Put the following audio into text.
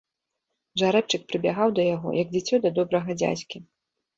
Жарэбчык прыбягаў да яго, як дзіцё да добрага дзядзькі.